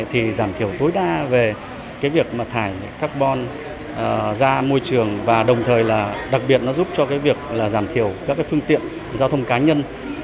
thì giảm thiểu tối đa về việc thải carbon ra môi trường và đồng thời đặc biệt giúp giảm thiểu các phương tiện giao thông cá nhân